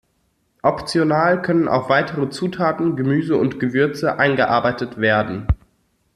Optional können auch weitere Zutaten, Gemüse und Gewürze eingearbeitet werden.